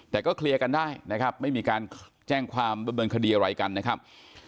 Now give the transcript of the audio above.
แต่ก็เคลียร์กันได้นะครับไม่มีการแจ้งความดำเนินคดีอะไรกันนะครับ